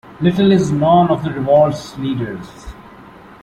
Little is known of the Revolt's leaders.